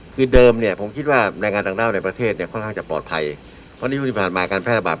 คือเดิมเนี่ยผมคิดว่าแรงงานต่างด้าวในประเทศเนี่ยค่อนข้างจะปลอดภัยเพราะนี่ช่วงที่ผ่านมาการแพร่ระบาด